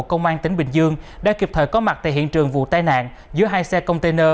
công an tỉnh bình dương đã kịp thời có mặt tại hiện trường vụ tai nạn giữa hai xe container